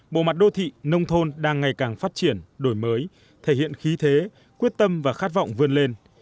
bộ mặt đô thị nông thôn đang ngày càng phát triển đổi mới thể hiện khí thế quyết tâm và khát vọng vươn lên